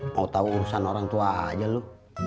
mau tau urusan orang tua aja lu